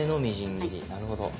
なるほど。